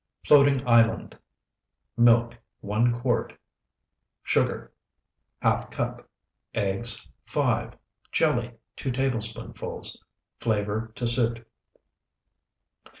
FLOATING ISLAND Milk, 1 quart. Sugar, ½ cup. Eggs, 5. Jelly, 2 tablespoonfuls. Flavor to suit.